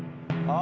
あ。